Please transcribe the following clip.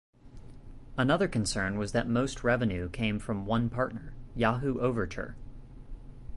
Another concern was that most revenue came from one partner: Yahoo Overture.